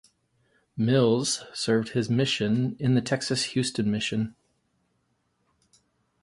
Mills served his mission in the Texas Houston Mission.